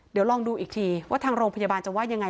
เดี๋ยวลองดูอีกทีว่าทางโรงพยาบาลจะว่ายังไง